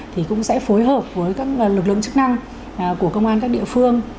thì cũng sẽ phối hợp với các lực lượng chức năng của công an các địa phương